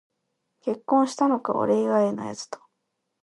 結婚したのか、俺以外のやつと